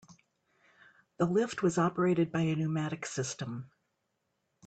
The lift was operated by a pneumatic system.